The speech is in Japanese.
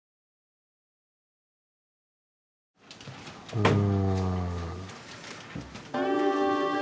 うん。